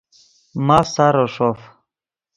ماف سارو ݰوف